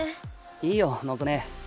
いいよ望姉。